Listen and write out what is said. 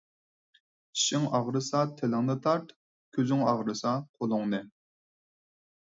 چىشىڭ ئاغرىسا تىلىڭنى تارت، كۆزۈڭ ئاغرىسا قولۇڭنى.